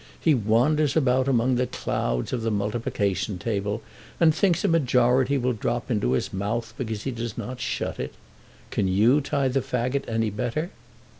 He wanders about among the clouds of the multiplication table, and thinks that a majority will drop into his mouth because he does not shut it. Can you tie the fagot any better?"